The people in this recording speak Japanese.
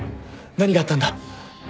何があったんだ？